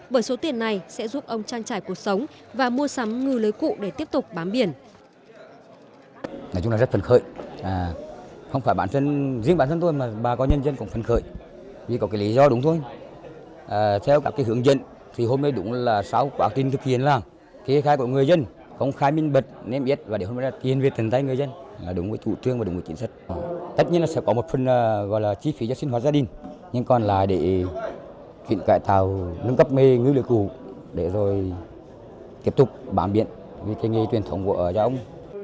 bởi số tiền này sẽ giúp ông trang trải cuộc sống và mua sắm ngư lưới cụ để tiếp tục bám biển